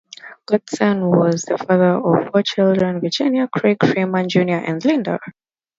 Gosden was the father of four children: Virginia, Craig, Freeman, Junior and Linda.